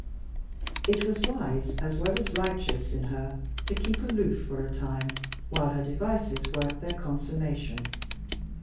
It was wise, as well as righteous, in her to keep aloof for a time, while her devices worked their consummation.